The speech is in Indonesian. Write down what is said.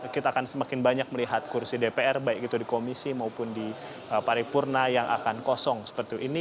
kita akan semakin banyak melihat kursi dpr baik itu di komisi maupun di paripurna yang akan kosong seperti ini